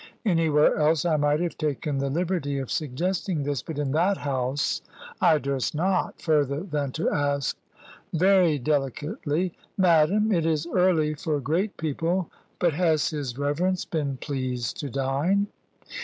Anywhere else I might have taken the liberty of suggesting this, but in that house I durst not, further than to ask very delicately "Madam, it is early for great people; but has his reverence been pleased to dine?"